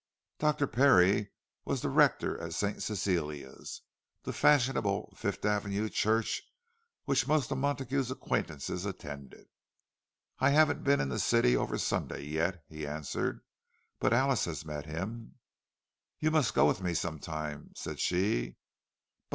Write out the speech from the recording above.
Dr. Parry was the rector of St. Cecilia's, the fashionable Fifth Avenue church which most of Montague's acquaintances attended. "I haven't been in the city over Sunday yet," he answered. "But Alice has met him." "You must go with me some time," said she.